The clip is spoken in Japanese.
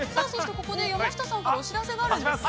ここで、山下さんからお知らせがあるんですね。